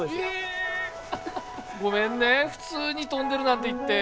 ごめんね普通に飛んでるなんて言って。